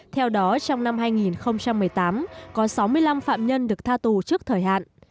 theo đó trong năm hai nghìn một mươi tám có sáu mươi năm phạm nhân được tha tù trước thời hạn